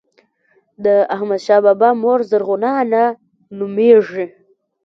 د احمدشاه بابا مور زرغونه انا نوميږي.